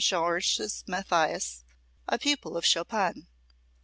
Georges Mathias, a pupil of Chopin.